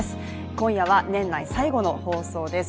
今夜は年内最後の放送です。